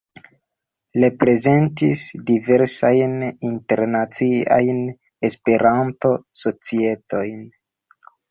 Reprezentis diversajn internaciajn Esperanto-societojn.